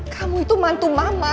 kamu itu bantu mama